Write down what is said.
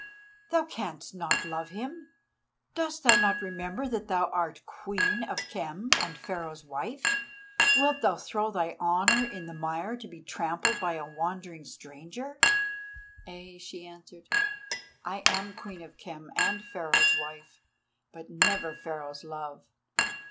Thou canst not love him. Dost thou not remember that thou art Queen of Khem and Pharaoh's wife? Wilt thou throw thy honour in the mire to be trampled by a wandering stranger?" "Ay," she answered, "I am Queen of Khem and Pharaoh's wife, but never Pharaoh's love.